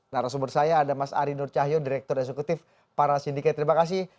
nah rasumber saya ada mas ari nur cahyur direktur eksekutif parasindikai terima kasih